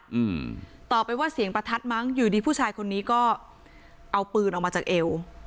อืมตอบไปว่าเสียงประทัดมั้งอยู่ดีผู้ชายคนนี้ก็เอาปืนออกมาจากเอว